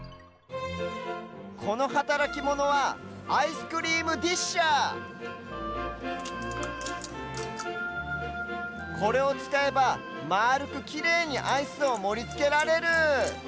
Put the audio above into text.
このはたらきモノはアイスクリームディッシャーこれをつかえばまあるくきれいにアイスをもりつけられる。